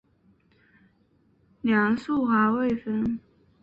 梁质华未婚。